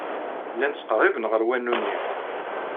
Llan ttqerriben ɣer wanu-nni.